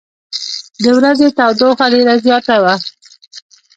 د ورځې تودوخه ډېره زیاته وه.